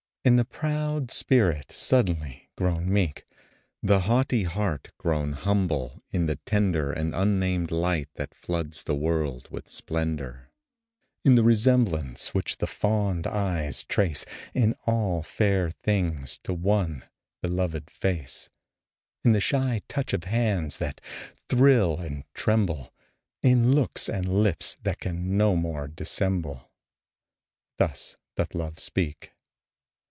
In the proud spirit suddenly grown meek The haughty heart grown humble; in the tender And unnamed light that floods the world with splendor; In the resemblance which the fond eyes trace In all fair things to one beloved face; In the shy touch of hands that thrill and tremble; In looks and lips that can no more dissemble Thus doth Love speak.